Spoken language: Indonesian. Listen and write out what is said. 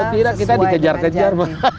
kalau tidak kita dikejar kejar